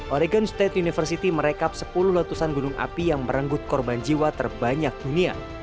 oregon state university merekap sepuluh letusan gunung api yang merenggut korban jiwa terbanyak dunia